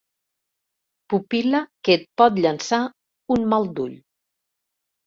Pupil·la que et pot llançar un mal d'ull.